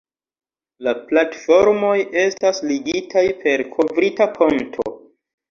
La platformoj estas ligitaj per kovrita ponto.